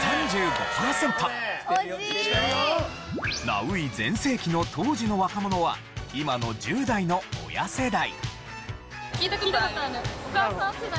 ナウい全盛期の当時の若者は今の１０代の親世代。